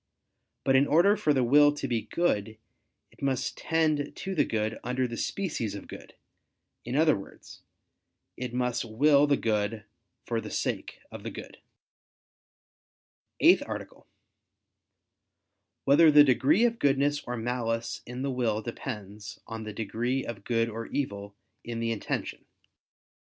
But in order for the will to be good, it must tend to the good under the species of good; in other words, it must will the good for the sake of the good. ________________________ EIGHTH ARTICLE [I II, Q. 19, Art. 8] Whether the Degree of Goodness or Malice in the Will Depends on the Degree of Good or Evil in the Intention?